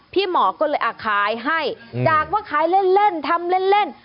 พี่หมอก็เลยขายให้จากว่าขายเล่นทำเล่นเล่น